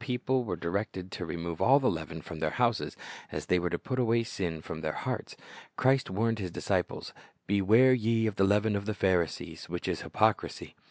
J c c t Lessons were directed to remove all the leaven from their houses, as they were to put away sin from their hearts. Christ warned His disciples, "Beware ye of the leaven of the Pharisees, which is hypocrisy."